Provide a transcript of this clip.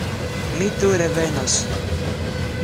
Mi tuj revenos.